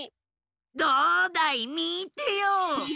どうだいみてよ！